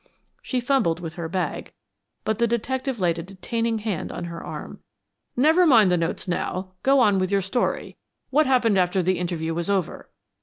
She fumbled with her bag, but the detective laid a detaining hand on her arm. "Never mind the notes now. Go on with your story. What happened after the interview was over?"